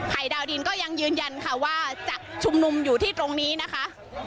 ดาวดินก็ยังยืนยันค่ะว่าจะชุมนุมอยู่ที่ตรงนี้นะคะ